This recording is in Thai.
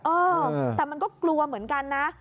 เออแต่มันก็กลัวเหมือนกันนะ